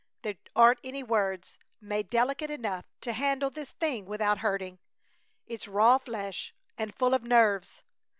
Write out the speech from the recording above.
There aren't any words made delicate enough to handle this thing without hurting. It's raw flesh and full of nerves.